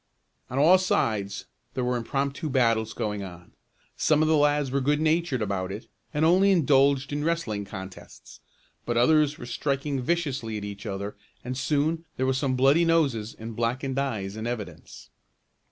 On all sides there were impromptu battles going on. Some of the lads were good natured about it, and only indulged in wrestling contests, but others were striking viciously at each other and soon there were some bloody noses and blackened eyes in evidence.